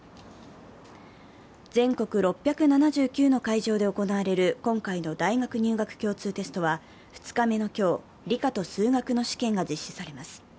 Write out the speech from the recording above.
全国６７９の会場で行われる今回の大学入学共通テストは２日目の今日、理科と数学の試験が実施されます。